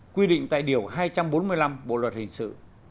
quy định tại điều hai trăm bốn mươi năm bộ luật hình sự